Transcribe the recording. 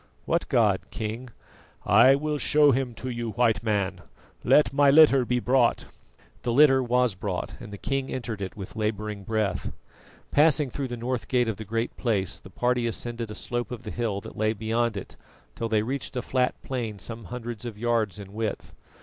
"What god, King?" "I will show him to you, White Man. Let my litter be brought." The litter was brought and the king entered it with labouring breath. Passing through the north gate of the Great Place, the party ascended a slope of the hill that lay beyond it till they reached a flat plain some hundreds of yards in width.